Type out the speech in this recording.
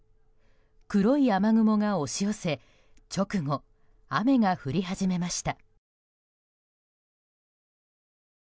黒い雨雲が押し寄せ直後、雨が降り始めました。